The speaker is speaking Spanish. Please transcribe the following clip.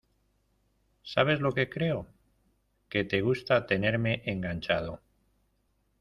¿ sabes lo que creo? que te gusta tenerme enganchado